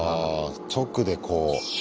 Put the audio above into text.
直でこう。